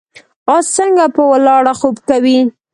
اس څنګه په ولاړه خوب کوي؟